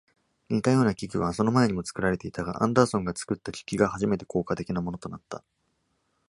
似たような機器はその前にも作られていたが、アンダーソンが作った機器が初めて効果的なものとなった。